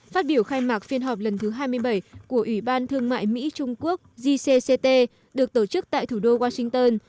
phát biểu khai mạc phiên họp lần thứ hai mươi bảy của ủy ban thương mại mỹ trung quốc jcct được tổ chức tại thủ đô washington